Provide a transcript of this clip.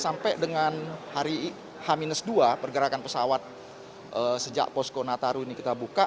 sampai dengan hari h dua pergerakan pesawat sejak posko nataru ini kita buka